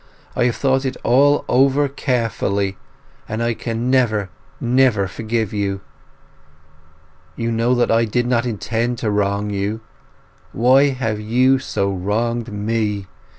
I have thought it all over carefully, and I can never, never forgive you! You know that I did not intend to wrong you—why have you so wronged me?